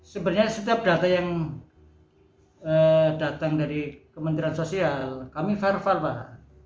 sebenarnya setiap data yang datang dari kementerian sosial kami verval pak